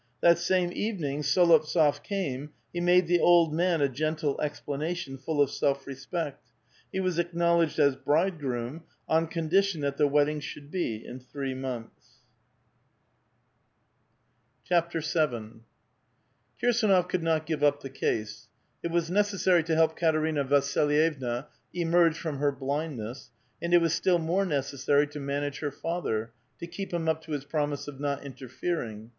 That same evening S6lovtsof came ; he made the old man a gentle explanation, full of self respect ; be was acknowledged as "bridegroom," on condition that the wedding should be in three months 416 A VITAL QUESTION. VII. KiRSAKOF could not give up the case ; it was necessary to help Katerina Vasilyevna emerge from her blindness, and it was Btill more necessary to manage her father, to keep him up to his promise of not interfering.